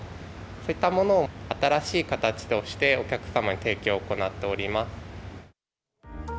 そういったものを新しい形としてお客様に提供を行っております。